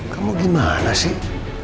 kamu gimana sih